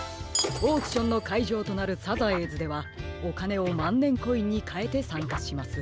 オークションのかいじょうとなるサザエーズではおかねをまんねんコインにかえてさんかします。